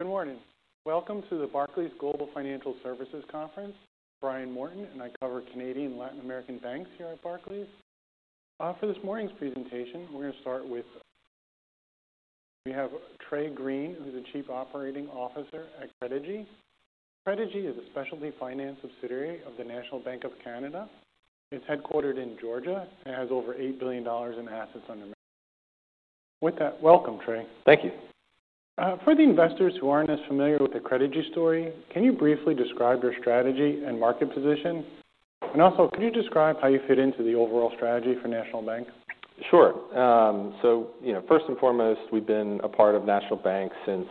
Good morning. Welcome to the Barclays Global Financial Services Conference. Brian Morton and I cover Canadian and Latin American banks here at Barclays. For this morning's presentation, we're going to start with Trey Greene, who's the Chief Operating Officer at Credigy. Credigy is a specialty finance subsidiary of the National Bank. It's headquartered in Atlanta, Georgia and has over $8 billion in assets. With that, welcome, Trey. Thank you. For the investors who aren't as familiar with the Credigy story, can you briefly describe your strategy and market position? Could you describe how you fit into the overall strategy for National Bank? Sure. First and foremost, we've been a part of National Bank since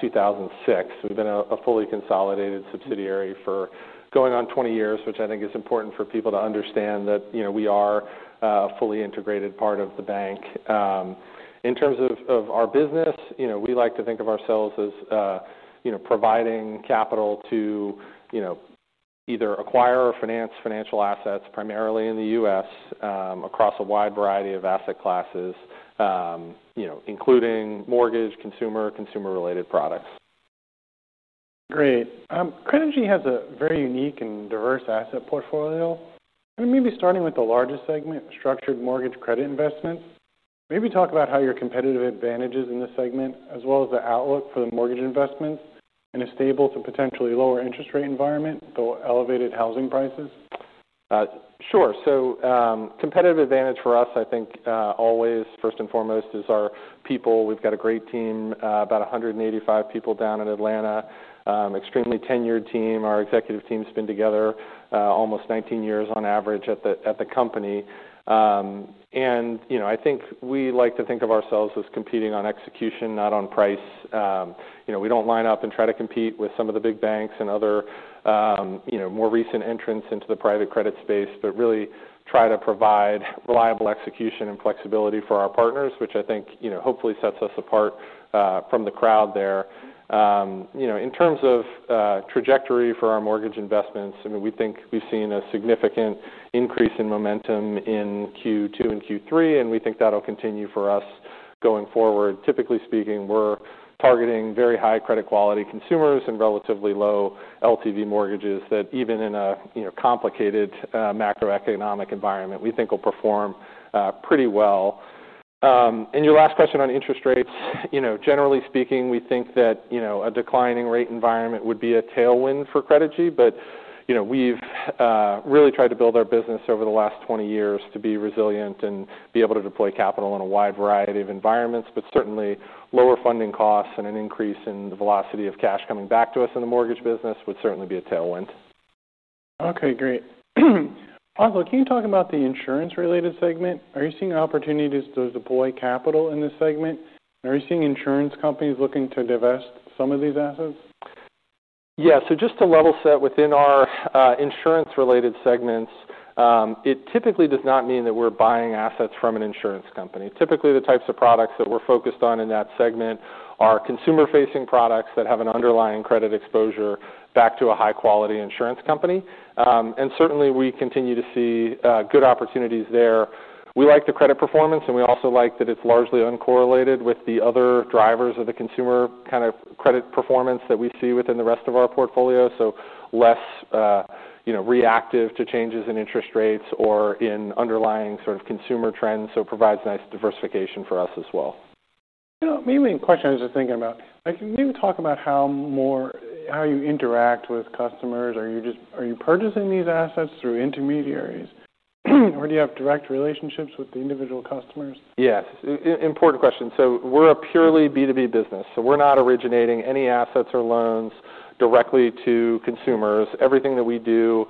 2006. We've been a fully consolidated subsidiary for going on 20 years, which I think is important for people to understand that we are a fully integrated part of the bank. In terms of our business, we like to think of ourselves as providing capital to either acquire or finance financial assets primarily in the U.S., across a wide variety of asset classes, including mortgage, consumer, consumer-related products. Great. Credigy has a very unique and diverse asset portfolio. Maybe starting with the largest segment, structured mortgage credit investments. Maybe talk about your competitive advantages in this segment, as well as the outlook for the mortgage investments in a stable to potentially lower interest rate environment, though elevated housing prices. Sure. Competitive advantage for us, I think, always first and foremost is our people. We've got a great team, about 185 people down in Atlanta, extremely tenured team. Our executive team's been together almost 19 years on average at the company. I think we like to think of ourselves as competing on execution, not on price. We don't line up and try to compete with some of the big banks and other, more recent entrants into the private credit space, but really try to provide reliable execution and flexibility for our partners, which I think hopefully sets us apart from the crowd there. In terms of trajectory for our mortgage investments, we think we've seen a significant increase in momentum in Q2 and Q3, and we think that'll continue for us going forward. Typically speaking, we're targeting very high credit quality consumers and relatively low loan-to-value (LTV) mortgages that even in a complicated macroeconomic environment, we think will perform pretty well. Your last question on interest rates, generally speaking, we think that a declining rate environment would be a tailwind for Credigy, but we've really tried to build our business over the last 20 years to be resilient and be able to deploy capital in a wide variety of environments. Certainly, lower funding costs and an increase in the velocity of cash coming back to us in the mortgage business would certainly be a tailwind. Okay, great. Also, can you talk about the insurance-related segment? Are you seeing opportunities to deploy capital in this segment? Are you seeing insurance companies looking to divest some of these assets? Yeah, just to level set within our insurance-related segments, it typically does not mean that we're buying assets from an insurance company. Typically, the types of products that we're focused on in that segment are consumer-facing products that have an underlying credit exposure back to a high-quality insurance company. We continue to see good opportunities there. We like the credit performance, and we also like that it's largely uncorrelated with the other drivers of the consumer kind of credit performance that we see within the rest of our portfolio. It is less reactive to changes in interest rates or in underlying sort of consumer trends. It provides nice diversification for us as well. Maybe a question I was just thinking about. Can you talk more about how you interact with customers? Are you purchasing these assets through intermediaries, or do you have direct relationships with the individual customers? Yes, important question. We're a purely B2B business. We're not originating any assets or loans directly to consumers. Everything that we do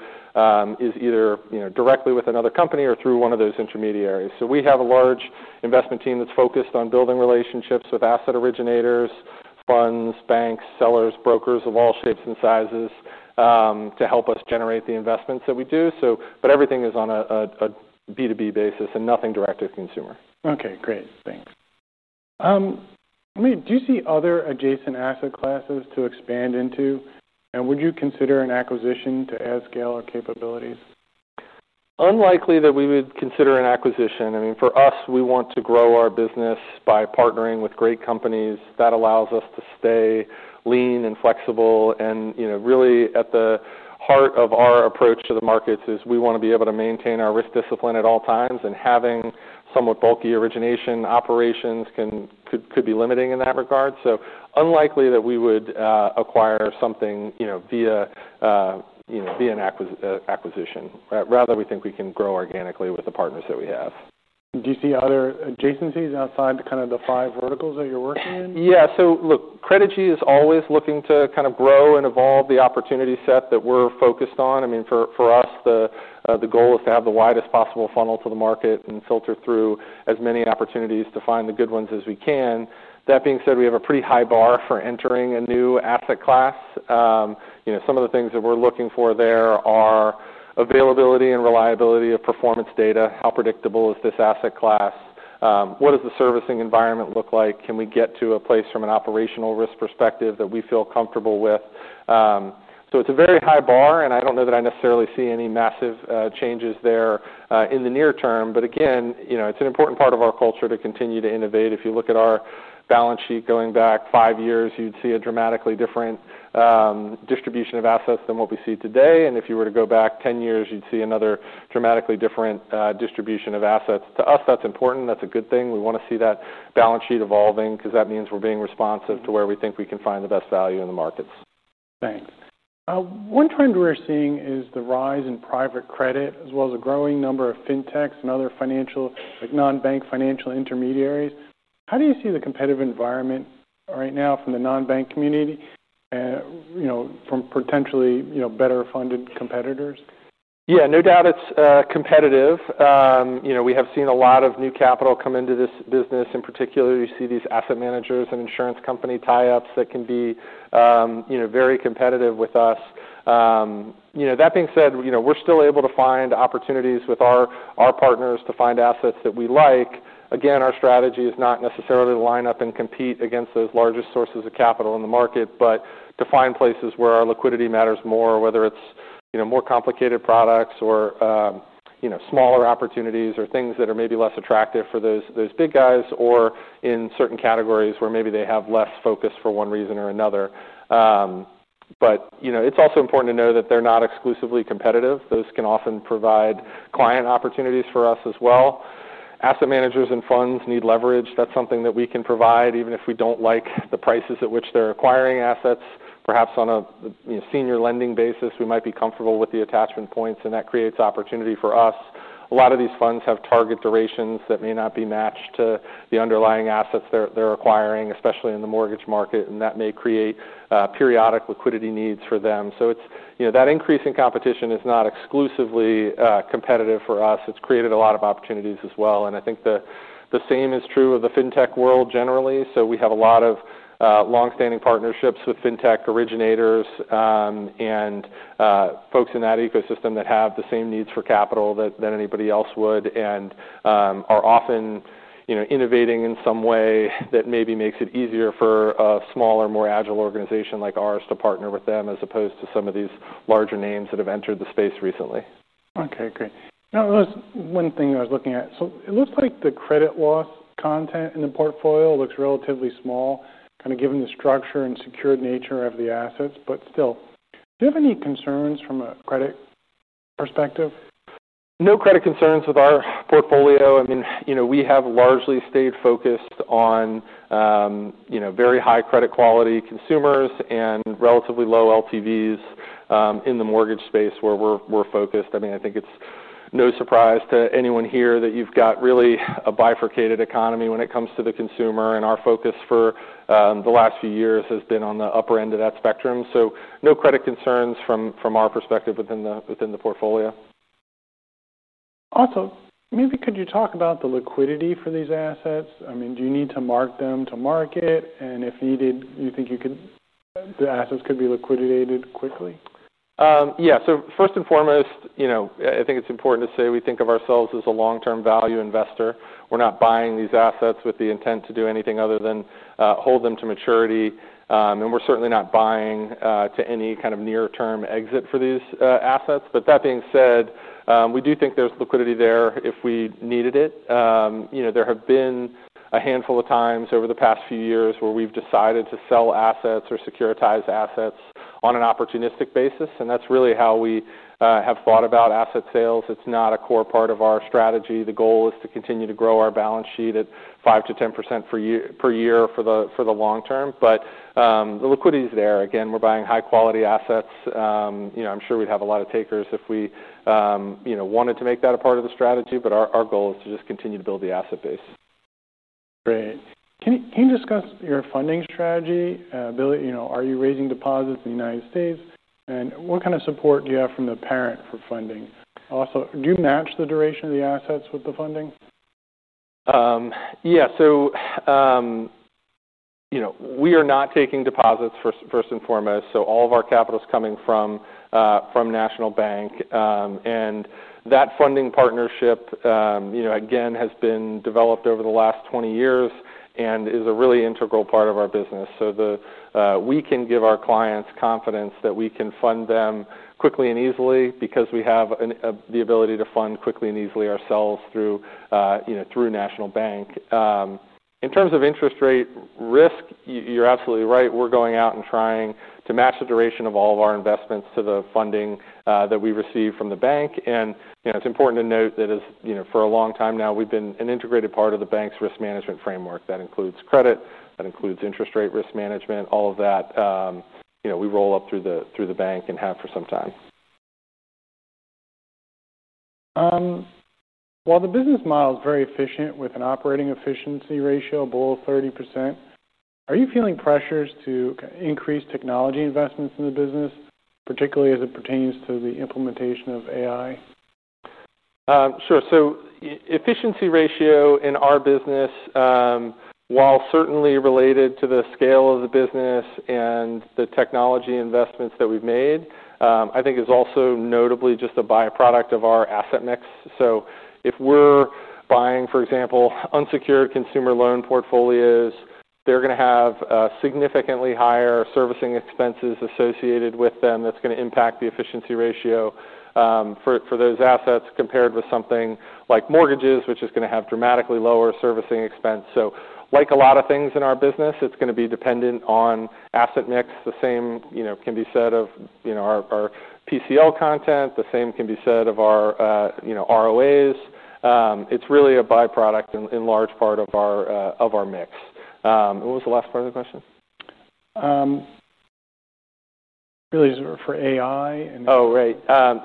is either directly with another company or through one of those intermediaries. We have a large investment team that's focused on building relationships with asset originators, funds, banks, sellers, brokers of all shapes and sizes to help us generate the investments that we do. Everything is on a B2B basis and nothing direct to the consumer. Okay, great. Thanks. Do you see other adjacent asset classes to expand into? Would you consider an acquisition to add scale or capabilities? Unlikely that we would consider an acquisition. I mean, for us, we want to grow our business by partnering with great companies. That allows us to stay lean and flexible. Really at the heart of our approach to the markets is we want to be able to maintain our risk discipline at all times. Having somewhat bulky origination operations can be limiting in that regard. Unlikely that we would acquire something via an acquisition. Rather, we think we can grow organically with the partners that we have. Do you see other adjacencies outside the kind of the five verticals that you're working in? Yeah, so look, Credigy is always looking to kind of grow and evolve the opportunity set that we're focused on. I mean, for us, the goal is to have the widest possible funnel to the market and filter through as many opportunities to find the good ones as we can. That being said, we have a pretty high bar for entering a new asset class. Some of the things that we're looking for there are availability and reliability of performance data. How predictable is this asset class? What does the servicing environment look like? Can we get to a place from an operational risk perspective that we feel comfortable with? It's a very high bar, and I don't know that I necessarily see any massive changes there in the near term. Again, it's an important part of our culture to continue to innovate. If you look at our balance sheet going back five years, you'd see a dramatically different distribution of assets than what we see today. If you were to go back 10 years, you'd see another dramatically different distribution of assets. To us, that's important. That's a good thing. We want to see that balance sheet evolving because that means we're being responsive to where we think we can find the best value in the markets. Thanks. One trend we're seeing is the rise in private credit, as well as a growing number of fintechs and other non-bank financial intermediaries. How do you see the competitive environment right now from the non-bank community and from potentially better funded competitors? Yeah, no doubt it's competitive. We have seen a lot of new capital come into this business. In particular, you see these asset manager–insurance company tie-ups that can be very competitive with us. That being said, we're still able to find opportunities with our partners to find assets that we like. Again, our strategy is not necessarily to line up and compete against those largest sources of capital in the market, but to find places where our liquidity matters more, whether it's more complicated products or smaller opportunities or things that are maybe less attractive for those big guys or in certain categories where maybe they have less focus for one reason or another. It's also important to know that they're not exclusively competitive. Those can often provide client opportunities for us as well. Asset managers and funds need leverage. That's something that we can provide, even if we don't like the prices at which they're acquiring assets. Perhaps on a senior lending basis, we might be comfortable with the attachment points, and that creates opportunity for us. A lot of these funds have target durations that may not be matched to the underlying assets they're acquiring, especially in the mortgage market, and that may create periodic liquidity needs for them. That increase in competition is not exclusively competitive for us. It's created a lot of opportunities as well. I think the same is true of the fintech world generally. We have a lot of longstanding partnerships with fintech originators and folks in that ecosystem that have the same needs for capital that anybody else would and are often innovating in some way that maybe makes it easier for a smaller, more agile organization like ours to partner with them as opposed to some of these larger names that have entered the space recently. Okay, great. There was one thing I was looking at. It looks like the credit loss content in the portfolio looks relatively small, given the structure and secured nature of the assets. Do you have any concerns from a credit perspective? No credit concerns with our portfolio. We have largely stayed focused on very high credit quality consumers and relatively low LTVs in the mortgage space where we're focused. I think it's no surprise to anyone here that you've got really a bifurcated economy when it comes to the consumer. Our focus for the last few years has been on the upper end of that spectrum. No credit concerns from our perspective within the portfolio. Also, maybe could you talk about the liquidity for these assets? I mean, do you need to mark them to market? If needed, do you think you could, the assets could be liquidated quickly? Yeah, so first and foremost, I think it's important to say we think of ourselves as a long-term value investor. We're not buying these assets with the intent to do anything other than hold them to maturity. We're certainly not buying to any kind of near-term exit for these assets. That being said, we do think there's liquidity there if we needed it. There have been a handful of times over the past few years where we've decided to sell assets or securitize assets on an opportunistic basis. That's really how we have thought about asset sales. It's not a core part of our strategy. The goal is to continue to grow our balance sheet at 5% to 10% per year for the long term. The liquidity is there. We're buying high-quality assets. I'm sure we'd have a lot of takers if we wanted to make that a part of the strategy. Our goal is to just continue to build the asset base. Great. Can you discuss your funding strategy? You know, are you raising deposits in the U.S.? What kind of support do you have from the parent for funding? Also, do you match the duration of the assets with the funding? Yeah, we are not taking deposits first and foremost. All of our capital is coming from National Bank. That funding partnership has been developed over the last 20 years and is a really integral part of our business. We can give our clients confidence that we can fund them quickly and easily because we have the ability to fund quickly and easily ourselves through National Bank. In terms of interest rate risk, you're absolutely right. We're going out and trying to match the duration of all of our investments to the funding that we receive from the bank. It's important to note that, as you know, for a long time now, we've been an integrated part of the bank's risk management framework. That includes credit. That includes interest rate risk management. All of that, we roll up through the bank and have for some time. While the business model is very efficient, with an operating efficiency ratio below 30%, are you feeling pressures to increase technology investments in the business, particularly as it pertains to the implementation of AI? Sure. Efficiency ratio in our business, while certainly related to the scale of the business and the technology investments that we've made, is also notably just a byproduct of our asset mix. If we're buying, for example, unsecured consumer loan portfolios, they're going to have significantly higher servicing expenses associated with them. That's going to impact the efficiency ratio for those assets compared with something like mortgages, which is going to have dramatically lower servicing expense. Like a lot of things in our business, it's going to be dependent on asset mix. The same can be said of our PCL content. The same can be said of our ROAs. It's really a byproduct in large part of our mix. What was the last part of the question? Really, is it for AI? Oh, right.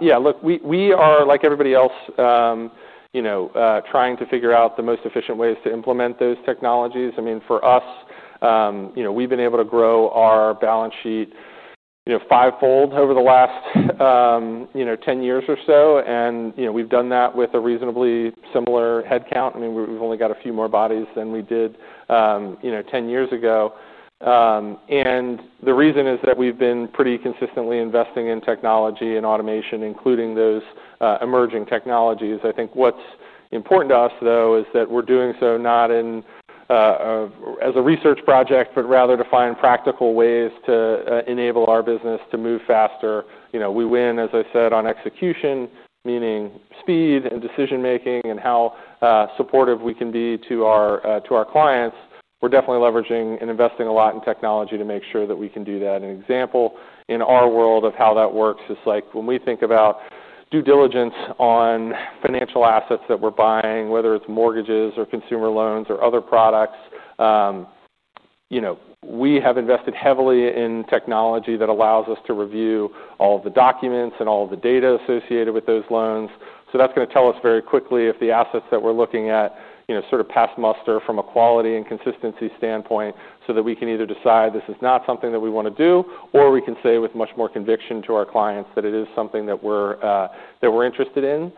Yeah, look, we are, like everybody else, trying to figure out the most efficient ways to implement those technologies. For us, we've been able to grow our balance sheet five-fold over the last 10 years or so. We've done that with a reasonably similar headcount. We've only got a few more bodies than we did 10 years ago. The reason is that we've been pretty consistently investing in technology and automation, including those emerging technologies. I think what's important to us, though, is that we're doing so not as a research project, but rather to find practical ways to enable our business to move faster. We win, as I said, on execution, meaning speed and decision-making and how supportive we can be to our clients. We're definitely leveraging and investing a lot in technology to make sure that we can do that. An example in our world of how that works is when we think about due diligence on financial assets that we're buying, whether it's mortgages or consumer loans or other products. We have invested heavily in technology that allows us to review all of the documents and all of the data associated with those loans. That's going to tell us very quickly if the assets that we're looking at sort of pass muster from a quality and consistency standpoint so that we can either decide this is not something that we want to do, or we can say with much more conviction to our clients that it is something that we're interested in.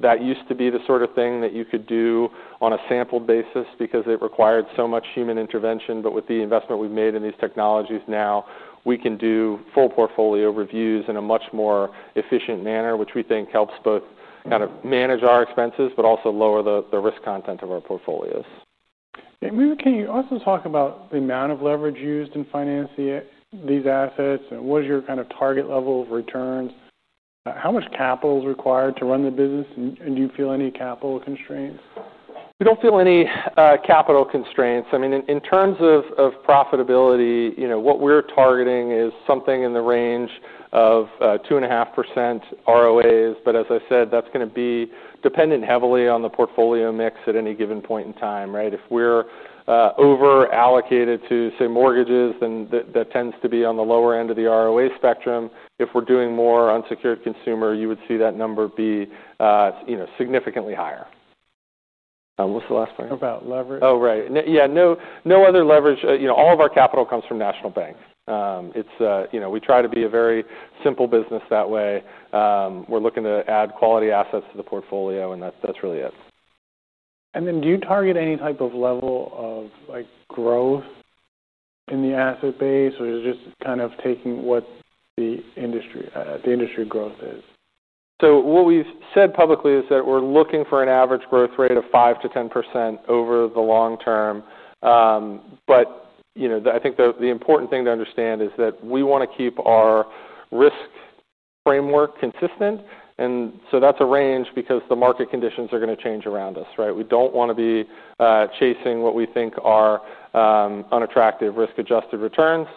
That used to be the sort of thing that you could do on a sample basis because it required so much human intervention. With the investment we've made in these technologies now, we can do full portfolio reviews in a much more efficient manner, which we think helps both kind of manage our expenses, but also lower the risk content of our portfolios. Can you also talk about the amount of leverage used in financing these assets? What is your kind of target level of returns? How much capital is required to run the business? Do you feel any capital constraints? We don't feel any capital constraints. In terms of profitability, what we're targeting is something in the range of 2.5% ROAs. As I said, that's going to be dependent heavily on the portfolio mix at any given point in time, right? If we're over-allocated to, say, mortgages, then that tends to be on the lower end of the ROA spectrum. If we're doing more unsecured consumer, you would see that number be significantly higher. What's the last part? About leverage? Right. No, no other leverage. All of our capital comes from National Bank. We try to be a very simple business that way. We're looking to add quality assets to the portfolio, and that's really it. Do you target any type of level of growth in the asset base, or is it just kind of taking what the industry growth is? What we've said publicly is that we're looking for an average growth rate of 5%-10% over the long term. I think the important thing to understand is that we want to keep our risk framework consistent. That's a range because the market conditions are going to change around us, right? We don't want to be chasing what we think are unattractive risk-adjusted returns.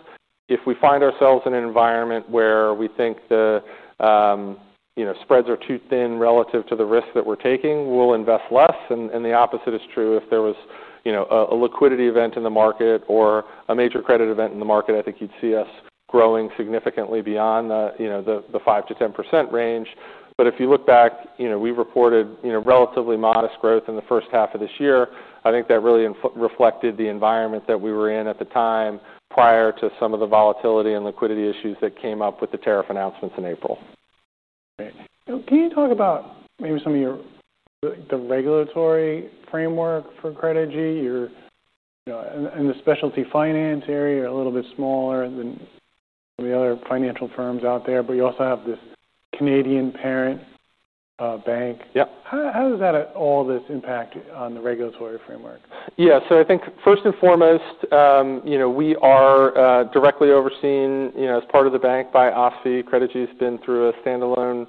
If we find ourselves in an environment where we think the spreads are too thin relative to the risk that we're taking, we'll invest less. The opposite is true. If there was a liquidity event in the market or a major credit event in the market, I think you'd see us growing significantly beyond the 5%-10% range. If you look back, we reported relatively modest growth in the first half of this year. I think that really reflected the environment that we were in at the time prior to some of the volatility and liquidity issues that came up with the tariff announcements in April. Right. Can you talk about maybe some of the regulatory framework for Credigy? You're, you know, in the specialty finance area, a little bit smaller than some of the other financial firms out there, but you also have this Canadian parent, bank. Yeah. How does all this impact on the regulatory framework? Yeah, so I think first and foremost, we are directly overseen as part of the bank by OSFI. Credigy has been through a standalone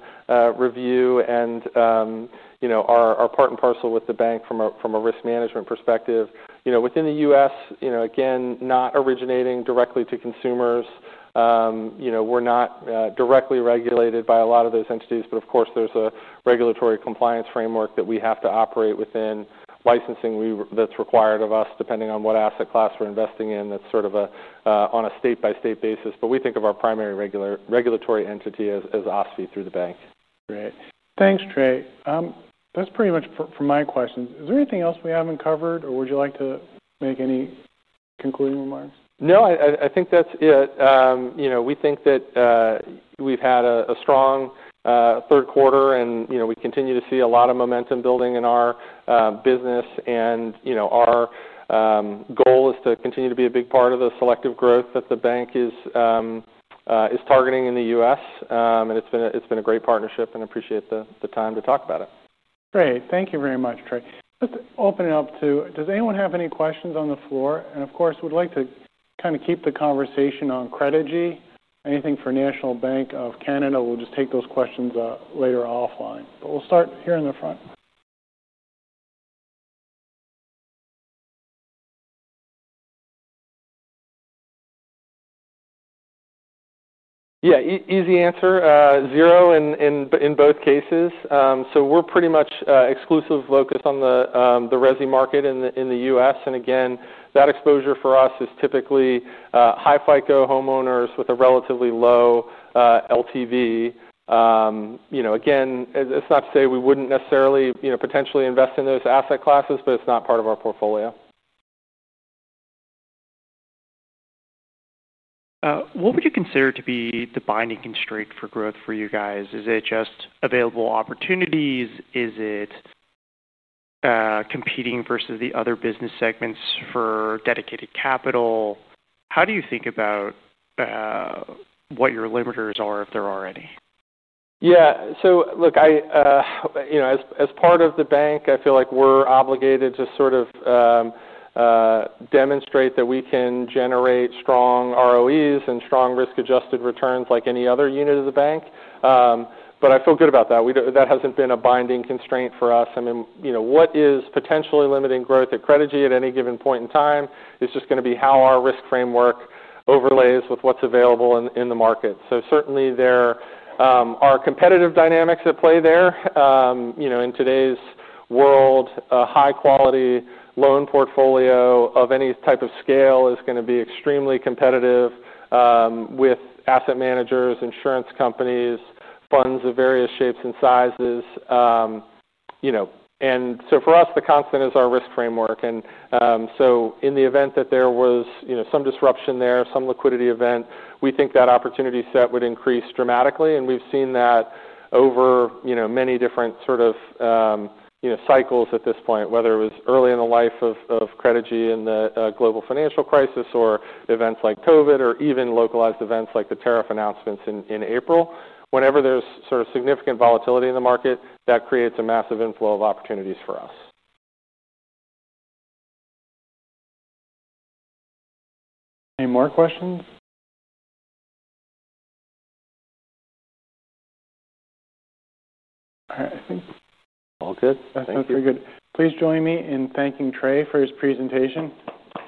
review and are part and parcel with the bank from a risk management perspective. Within the U.S., again, not originating directly to consumers, we're not directly regulated by a lot of those entities, but of course, there's a regulatory compliance framework that we have to operate within. Licensing that's required of us, depending on what asset class we're investing in, that's on a state-by-state basis. We think of our primary regulatory entity as OSFI through the bank. Great. Thanks, Trey. That's pretty much for my questions. Is there anything else we haven't covered, or would you like to make any concluding remarks? No, I think that's it. We think that we've had a strong third quarter, and we continue to see a lot of momentum building in our business. Our goal is to continue to be a big part of the selective growth that the bank is targeting in the U.S. It's been a great partnership, and I appreciate the time to talk about it. Great. Thank you very much, Trey. Let's open it up to, does anyone have any questions on the floor? We'd like to kind of keep the conversation on Credigy. Anything for National Bank, we'll just take those questions later offline. We'll start here in the front. Yeah, easy answer. Zero in both cases. We're pretty much exclusive focus on the resi market in the U.S., and again, that exposure for us is typically high FICO homeowners with a relatively low LTV. It's not to say we wouldn't necessarily potentially invest in those asset classes, but it's not part of our portfolio. What would you consider to be the binding constraint for growth for you guys? Is it just available opportunities? Is it competing versus the other business segments for dedicated capital? How do you think about what your limiters are, if there are any? Yeah, so look, as part of the bank, I feel like we're obligated to sort of demonstrate that we can generate strong ROEs and strong risk-adjusted returns like any other unit of the bank. I feel good about that. That hasn't been a binding constraint for us. What is potentially limiting growth at Credigy at any given point in time is just going to be how our risk framework overlays with what's available in the market. Certainly, there are competitive dynamics at play there. In today's world, a high-quality loan portfolio of any type of scale is going to be extremely competitive with asset managers, insurance companies, funds of various shapes and sizes. For us, the constant is our risk framework. In the event that there was some disruption there, some liquidity event, we think that opportunity set would increase dramatically. We've seen that over many different cycles at this point, whether it was early in the life of Credigy in the global financial crisis or events like COVID or even localized events like the tariff announcements in April. Whenever there's significant volatility in the market, that creates a massive inflow of opportunities for us. Any more questions? All right, I think. All good. Thank you. I think we're good. Please join me in thanking Trey for his presentation. Thanks.